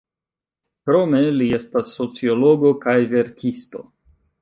Krome li estas sociologo kaj verkisto.